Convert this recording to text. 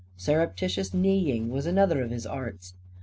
Surreptitious kneeing was another of his arts.